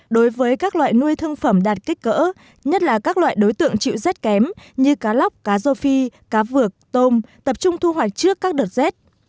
đối với các loại nuôi thương phẩm đạt kích cỡ nhất là các loại đối tượng chịu rất kém như cá lóc cá rô phi cá vược tôm tập trung thu hoạch trước các đợt rét